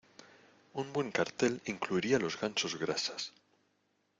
Un buen cartel incluiría los Gansos Grasas.